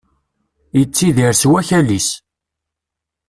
Yettidir s wakal-is.